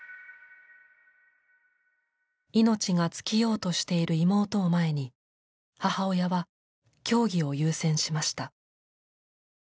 命が尽きようとしている妹を前に母親は教義を優先しました。